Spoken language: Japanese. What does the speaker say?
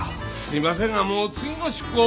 すいませんがもう次の出航。